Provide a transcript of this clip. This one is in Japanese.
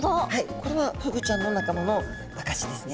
これはフグちゃんの仲間の証しですね。